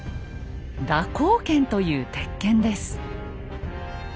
「蛇行剣」という鉄剣です。